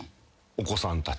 お子さんたち。